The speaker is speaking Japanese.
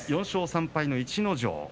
４勝３敗の逸ノ城。